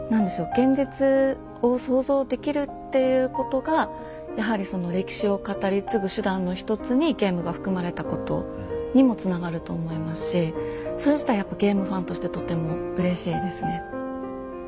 「現実を想像できる」っていうことがやはりその歴史を語り継ぐ手段の一つにゲームが含まれたことにもつながると思いますしそれ自体やっぱゲームファンとしてとてもうれしいですね。